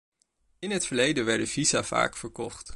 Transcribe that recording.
In het verleden werden visa vaak verkocht.